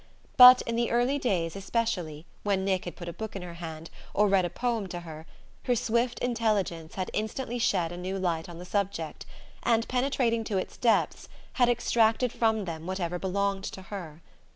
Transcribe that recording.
But, in the early days especially, when Nick had put a book in her hand, or read a poem to her, her swift intelligence had instantly shed a new light on the subject, and, penetrating to its depths, had extracted from them whatever belonged to her.